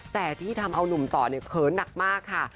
แต่ที่ทำที่เอานุ่มต่อเขย์หนักมากค่ะ